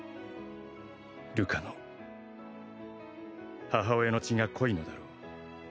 「瑠火の母親の血が濃いのだろう」